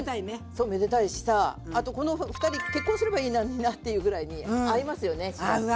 そうめでたいしさあとこのふたり結婚すればいいのになっていうぐらいに合いますよね